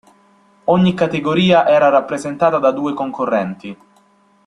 Ogni categoria era rappresentata da due concorrenti.